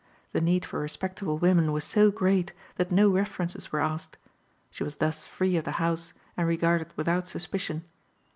The need for respectable women was so great that no references were asked. She was thus free of the house and regarded without suspicion.